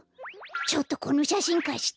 ちょっとこのしゃしんかして？